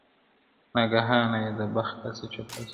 ناګهانه یې د بخت کاسه چپه سوه,